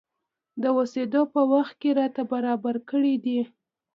د اوسېدلو په وخت کې راته برابر کړي دي.